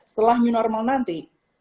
setelah new normal nanti